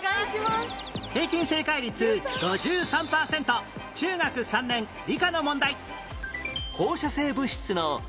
平均正解率５３パーセント中学３年理科の問題